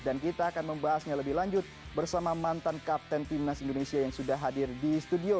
dan kita akan membahasnya lebih lanjut bersama mantan kapten timnas indonesia yang sudah hadir di studio